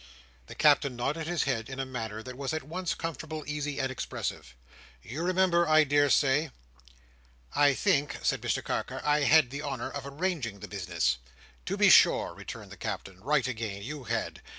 The Captain nodded his head in a manner that was at once comfortable, easy, and expressive. "You remember, I daresay?" "I think," said Mr Carker, "I had the honour of arranging the business." "To be sure!" returned the Captain. "Right again! you had.